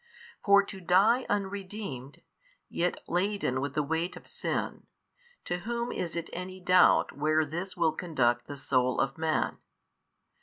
For to die unredeemed, yet laden with the weight of sin, to whom is it any doubt where this will conduct the soul of man?